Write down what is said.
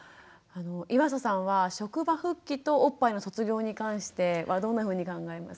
岩佐さんは職場復帰とおっぱいの卒業に関してはどんなふうに考えますか？